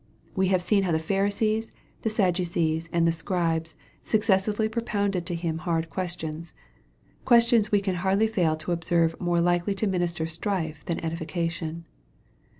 We have seen how the Pharisees, the Sac ducees, and the Scribes successively propounded to Hit, hard questions questions we can hardly fail to observe more likely to minister strife than edification.